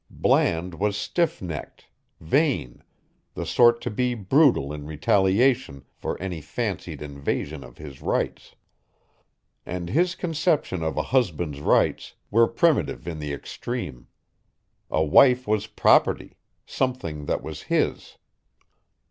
Bland was stiff necked, vain, the sort to be brutal in retaliation for any fancied invasion of his rights. And his conception of a husband's rights were primitive in the extreme. A wife was property, something that was his.